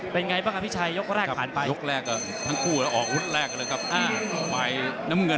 เป็นไงบ้างพี่ชัยยกแรกผ่านไป